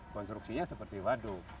konstruksinya seperti waduk